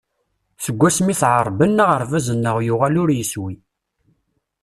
Seg wasmi i t-ɛerben, aɣerbaz-nneɣ yuɣal ur yeswi.